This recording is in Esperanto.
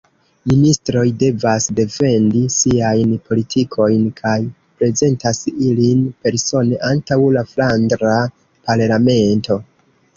Ministroj devas defendi siajn politikojn kaj prezentas ilin persone antaŭ la Flandra Parlamento.